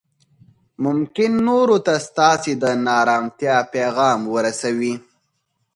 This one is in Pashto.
ممکن نورو ته ستاسې د نا ارامتیا پیغام ورسوي